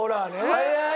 早い。